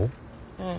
うん。